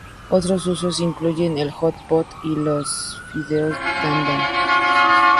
Otros usos incluyen el hot pot y los fideos dan dan.